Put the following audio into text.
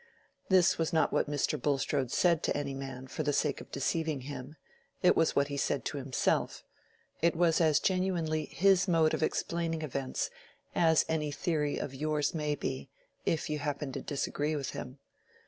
This was not what Mr. Bulstrode said to any man for the sake of deceiving him: it was what he said to himself—it was as genuinely his mode of explaining events as any theory of yours may be, if you happen to disagree with him.